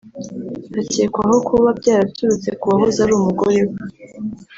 hakekwaho kuba byaturutse ku wahoze ari umugore we